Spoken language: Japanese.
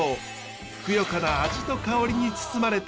ふくよかな味と香りに包まれた